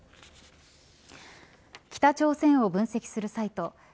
北朝鮮を分析するサイト３８